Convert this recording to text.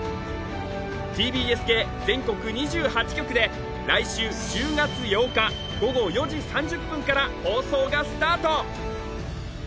ＴＢＳ系全国２８局で来週１０月８日午後４時３０分から放送がスタート